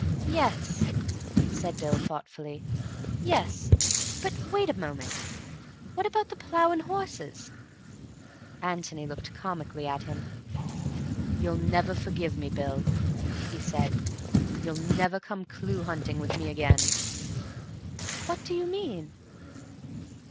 "Yes," said Bill thoughtfully. "Yes.... But wait a moment. What about the 'Plough and Horses'?" Antony looked comically at him. "You'll never forgive me, Bill," he said. "You'll never come clue hunting with me again." "What do you mean?"